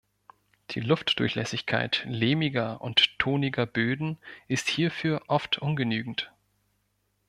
Die Luftdurchlässigkeit lehmiger und toniger Böden ist hierfür oft ungenügend.